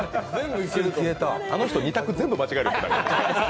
あの人、２択全部間違えるから。